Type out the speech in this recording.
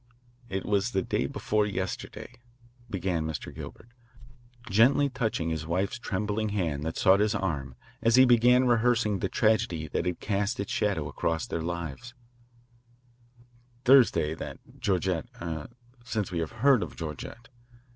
"It was day before yesterday," began Mr. Gilbert, gently touching his wife's trembling hand that sought his arm as he began rehearsing the tragedy that had cast its shadow across their lives, "Thursday, that Georgette er since we have heard of Georgette."